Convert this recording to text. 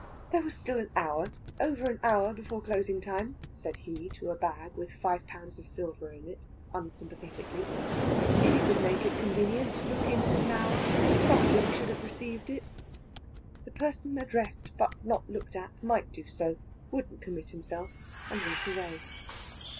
There was still an hour over an hour before closing time, said he to a bag with five pounds of silver in it, unsympathetically. If you could make it convenient to look in in an hour, probably we should have received it. The person addressed but not looked at might do so wouldn't commit himself and went away.